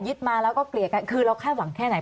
มาแล้วก็เกลี่ยกันคือเราคาดหวังแค่ไหน